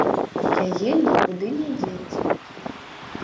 Яе нікуды не дзець.